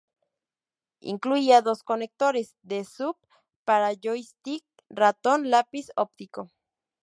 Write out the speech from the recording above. Incluía dos conectores D-sub para joystick, ratón, lápiz óptico.